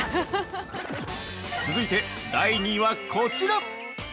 続いて、第２位はこちら。